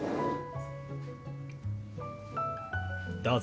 どうぞ。